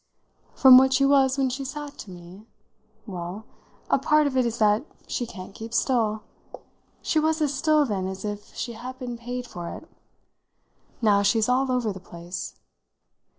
"From what she was when she sat to me? Well, a part of it is that she can't keep still. She was as still then as if she had been paid for it. Now she's all over the place."